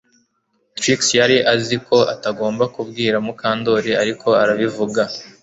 Trix yari azi ko atagomba kubwira Mukandoli ariko arabivuga